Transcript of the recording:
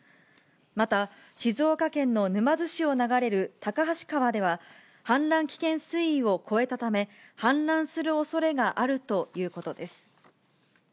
また静岡県の沼津市を流れる高橋川では、氾濫危険水位を超えたため、氾濫するおそれがあるということです。